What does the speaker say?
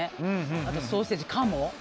あとソーセージ、鴨。